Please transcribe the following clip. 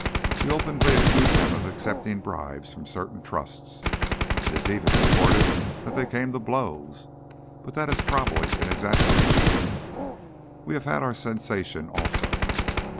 He openly accused them of accepting bribes from certain Trusts. It even is reported that they came to blows, but that is probably an exaggeration. We have had our sensation also.